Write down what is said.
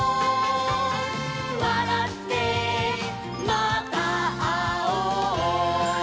「わらってまたあおう」